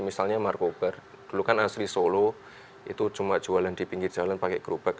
misalnya markobar dulu kan asli solo itu cuma jualan di pinggir jalan pakai gerobak